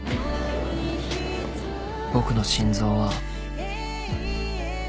［僕の心臓は］